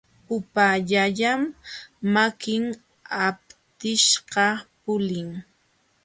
Upaallallam makin aptishqa pulin.